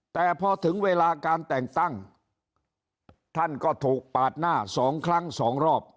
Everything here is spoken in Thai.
แต่พอถึงเวลาการแต่งตั้งท่านก็ถูกปาดหน้าสองครั้งสองรอบ